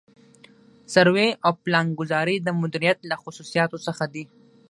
سروې او پلانګذاري د مدیریت له خصوصیاتو څخه دي.